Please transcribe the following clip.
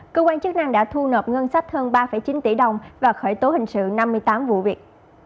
cơ quan chức năng đã thu nộp ngân sách hơn ba chín tỷ đồng và khởi tố hình sự năm mươi tám vụ việc